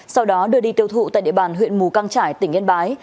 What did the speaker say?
sau đó đưa đi tiêu thụ tại địa bàn huyện mù căng trải tỉnh yên bái